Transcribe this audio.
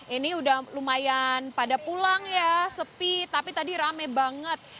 ini udah lumayan pada pulang ya sepi tapi tadi rame banget